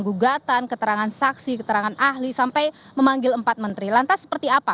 gugatan keterangan saksi keterangan ahli sampai memanggil empat menteri lantas seperti apa